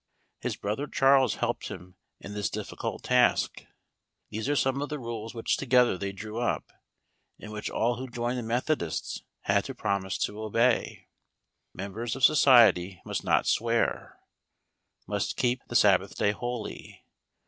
His brother Charles helped him in this difficult task. These are some of the rules which together they drew up, and which all who joined the Methodists had to promise to obey. Members of society must not swear. Must keep the Sabbath Day holy.